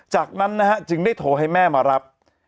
จากนั้นนะฮะจึงได้โทรให้แม่มารับ